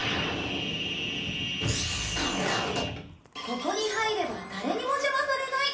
ここに入れば誰にも邪魔されない。